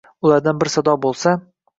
Ulardan bir sado bo’lsa